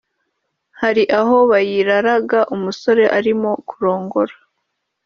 hari aho bayiraraga umusore arimo kurongora